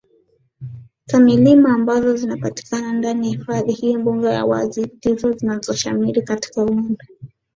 za milima ambazo zinapatikana ndani ya hifadhi hiiMbuga za wazi ndizo zinazoshamiri katika uwanda